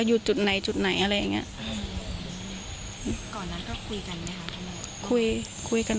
โทรไปถามว่าแม่ช่วยด้วยถูกจับ